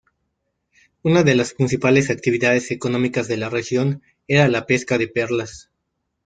Una de las principales actividades económicas de la región era la pesca de perlas.